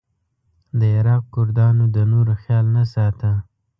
د عراق کردانو د نورو خیال نه ساته.